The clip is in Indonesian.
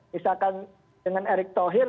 misalkan dengan erick thohir